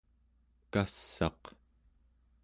kass'aq